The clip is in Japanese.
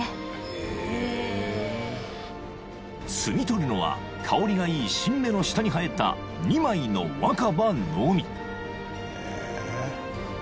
［摘み取るのは香りがいい新芽の下に生えた２枚の若葉のみ］